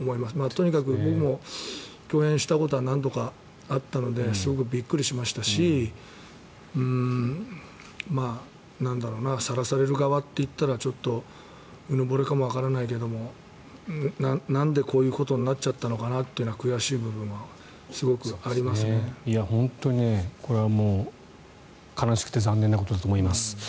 とにかく僕も共演したことは何度かあったのですごくびっくりしましたしさらされる側と言ったらちょっとうぬぼれかもわからないけどなんで、こういうことになっちゃったのかなというのは悔しい部分は本当に、これは悲しくて残念なことだと思います。